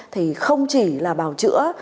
thì không chỉ là bảo chữa